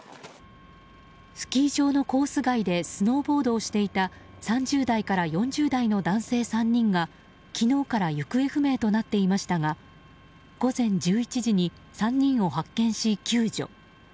スキー場のコース外でスノーボードをしていた３０代から４０代の男性３人が昨日から行方不明となっていましたが午前１１時に３人を発見し、救助。